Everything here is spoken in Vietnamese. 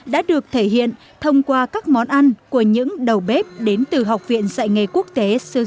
đã được thể hiện thông qua các món ăn của những đầu bếp đến từ học viện dạy nghề quốc tế sứ